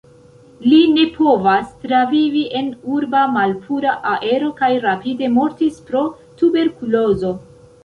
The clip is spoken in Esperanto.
Li ne povas travivi en urba malpura aero kaj rapide mortis pro tuberkulozo.